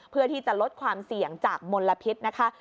เพื่อที่จะลดความเสี่ยงจากมลพิษนะคะ